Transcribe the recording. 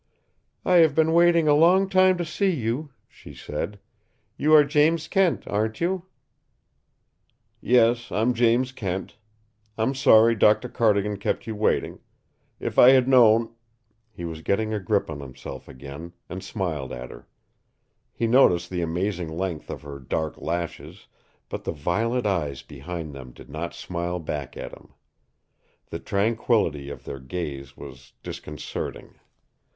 "I have been waiting a long time to see you," she said. "You are James Kent, aren't you?" "Yes, I'm Jim Kent. I'm sorry Dr. Cardigan kept you waiting. If I had known " He was getting a grip on himself again, and smiled at her. He noticed the amazing length of her dark lashes, but the violet eyes behind them did not smile back at him. The tranquillity of their gaze was disconcerting.